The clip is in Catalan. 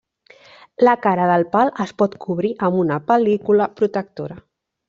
La cara del pal es pot cobrir amb una pel·lícula protectora.